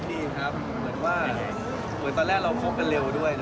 เหมือนว่าตอนแรกเราพบกันเร็วด้วย